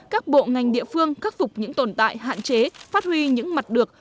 các bộ ngành địa phương khắc phục những tồn tại hạn chế phát huy những mặt được